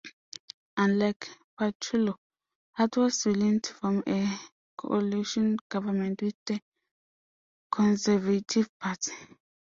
Unlike Pattullo, Hart was willing to form a coalition government with the Conservative Party.